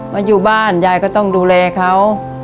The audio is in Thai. มาอยู่บ้านยายก็ต้องดูแลเขา